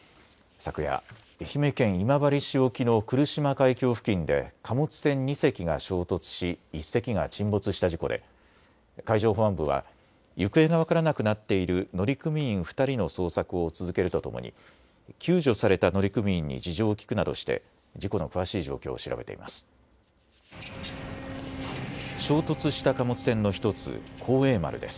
昨夜、愛媛県今治市沖の来島海峡付近で貨物船２隻が衝突し１隻が沈没した事故で海上保安部は行方が分からなくなっている乗組員２人の捜索を続けるとともに救助された乗組員に事情を聞くなどして事故の詳しい状況を調べています。